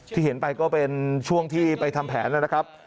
ที่เห็นไปก็เป็นช่วงที่ไปทำแผนนะครับ